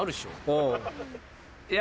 いや。